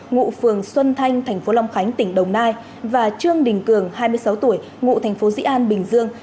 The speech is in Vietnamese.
ngụ phường xuân thanh tp long khánh tỉnh đồng nai và trương đình cường hai mươi sáu tuổi ngụ tp dĩ an bình dương